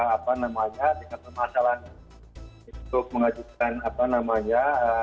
apa namanya tingkat permasalahan untuk mengajukan apa namanya